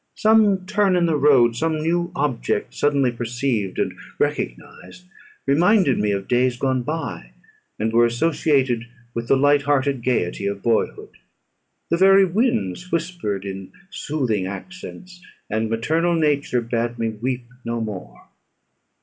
Some turn in the road, some new object suddenly perceived and recognised, reminded me of days gone by, and were associated with the light hearted gaiety of boyhood. The very winds whispered in soothing accents, and maternal nature bade me weep no more.